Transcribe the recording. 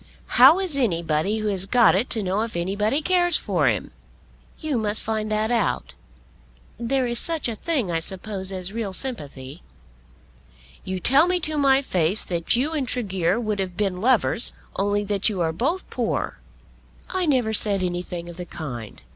"How is anybody who has got it to know if anybody cares for him?" "You must find that out. There is such a thing I suppose as real sympathy." "You tell me to my face that you and Tregear would have been lovers only that you are both poor." "I never said anything of the kind."